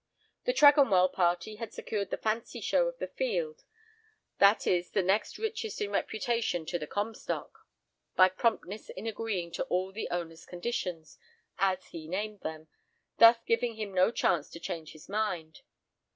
The Tregonwell party had secured the "fancy show" of the field (i.e., the next richest in reputation to the Comstock) by promptness in agreeing to all the owner's conditions, as he named them, thus giving him no chance to change his mind.